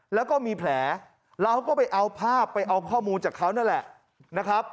แล้วก็มีแผลเราก็ไปเอาภาพไปเอาข้อมูลจากเขานั่นแหละนะครับ